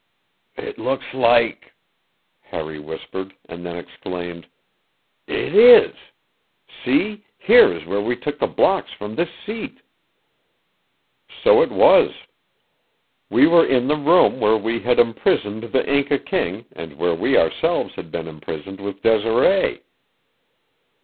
"It looks like " Harry whispered, and then exclaimed: "It is! See, here is where we took the blocks from this seat!" So it was. We were in the room where we had imprisoned the Inca king and where we ourselves had been imprisoned with Desiree.